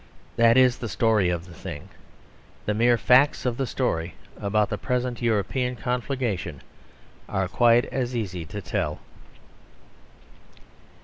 That is the story of the thing. The mere facts of the story about the present European conflagration are quite as easy to tell.